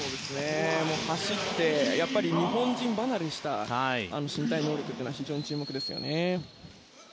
走って日本人離れした身体能力には非常に注目ですね。